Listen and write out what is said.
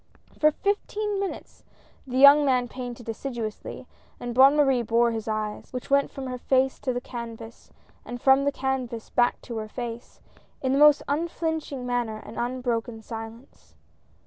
For fifteen minutes the young man painted assiduously and Bonne Marie bore his eyes — which went from her face to the canvas and from the canvas back to her face — in the most unflinching manner and unbroken silence.